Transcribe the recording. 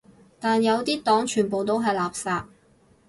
但有啲黨全部都係垃圾